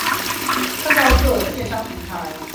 看到各電商平台